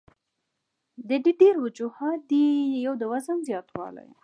د دې ډېر وجوهات دي يو د وزن زياتوالے ،